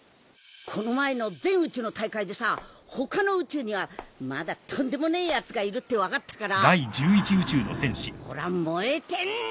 この前の全宇宙の大会でさ他の宇宙にはまだとんでもねえやつがいるって分かったからオラ燃えてんだっ！